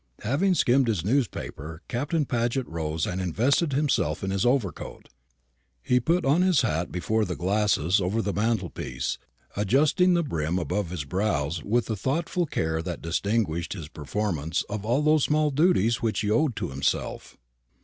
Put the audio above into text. Having skimmed his newspaper, Captain Paget rose and invested himself in his overcoat. He put on his hat before the glass over the mantelpiece, adjusting the brim above his brows with the thoughtful care that distinguished his performance of all those small duties which he owed to himself.